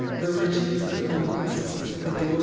""''' *e riches, the conquests, the «nwK.